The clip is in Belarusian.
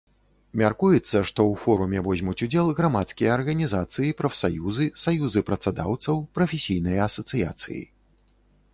Мяркуецца, што ў форуме возьмуць удзел грамадскія арганізацыі, прафсаюзы, саюзы працадаўцаў, прафесійныя асацыяцыі.